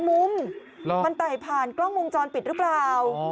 มันต่ายผ่านกล้องมุมจรปิดหรือเปล่า